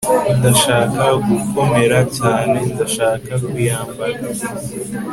ndashaka gukomera cyane, ndashaka kuyambara